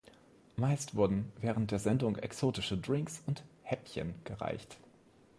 Meist wurden während der Sendung exotische Drinks und Häppchen gereicht.